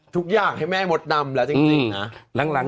ทุกอย่างให้แม่มดดำแล้วจริงนะ